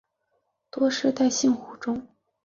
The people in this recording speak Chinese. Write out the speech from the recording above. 多世代性蝶种。